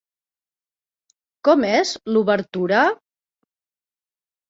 Com és l'obertura?